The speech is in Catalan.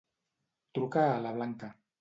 Truca a la Blanca.